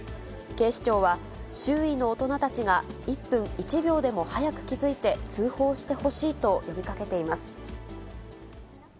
警視庁は、周囲の大人たちが１分１秒でも早く気付いて、通報してほしいと呼びかけています。